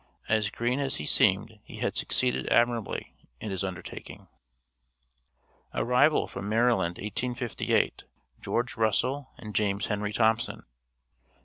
As green as he seemed he had succeeded admirably in his undertaking. ARRIVAL FROM MARYLAND, 1858. GEORGE RUSSELL AND JAMES HENRY THOMPSON.